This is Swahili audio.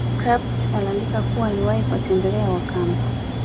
Krapf aliandika kuwa aliwahi kuwatembela wakamba